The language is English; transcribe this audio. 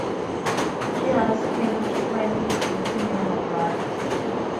She asks him to find his missing younger brother.